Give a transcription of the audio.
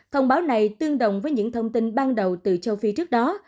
thông báo này tương đồng với những thông tin ban đầu từ châu phi trước đó